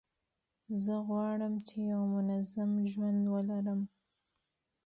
زه غواړم چي یو منظم ژوند ولرم.